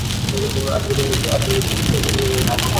আশা করছি তুমি জানো যে এটা একটা হার্ট অ্যাটাক ছিল।